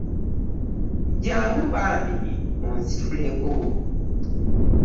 Jangu bambi onsituleko.